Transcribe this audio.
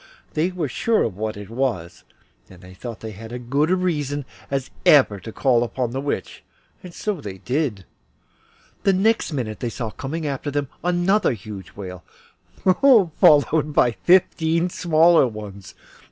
They were sure of what it was, and thought they had as good reason as ever they would have to call on the Witch, and so they did. The next minute they saw coming after them another huge whale, followed by fifteen smaller ones.